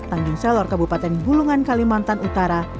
tanggung seluruh kabupaten bulungan kalimantan utara